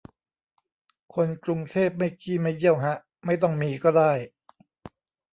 คนกรุงเทพไม่ขี้ไม่เยี่ยวฮะ ไม่ต้องมีก็ได้